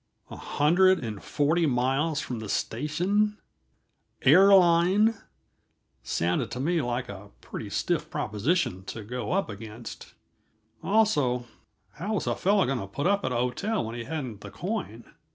A hundred and forty miles from the station, "air line," sounded to me like a pretty stiff proposition to go up against; also, how was a fellow going to put up at a hotel when he hadn't the coin?